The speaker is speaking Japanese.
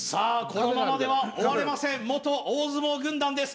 このままでは終われません元大相撲軍団です